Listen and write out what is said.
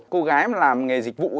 cô gái mà làm nghề dịch vụ